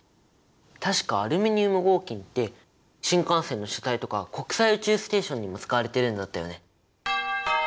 確かアルミニウム合金って新幹線の車体とか国際宇宙ステーションにも使われてるんだったよね？